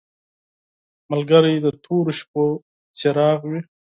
ملګری د تورو شپو څراغ وي.